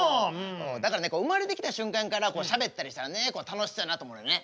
だからね生まれてきた瞬間からしゃべったりしたらね楽しそうやなと思うのよね。